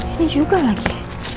ini juga lagi